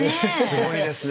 すごいですね。